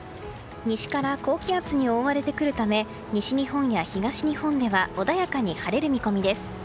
西から高気圧に覆われてくるため西日本や東日本では穏やかに晴れる見込みです。